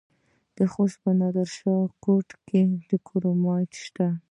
د خوست په نادر شاه کوټ کې کرومایټ شته.